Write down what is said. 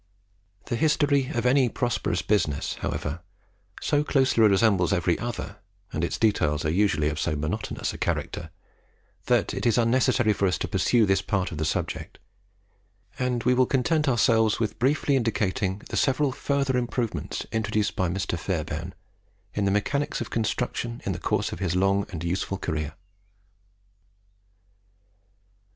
The history of any prosperous business, however, so closely resembles every other, and its details are usually of so monotonous a character, that it is unnecessary for us to pursue this part of the subject; and we will content ourselves with briefly indicating the several further improvements introduced by Mr. Fairbairn in the mechanics of construction in the course of his long and useful career.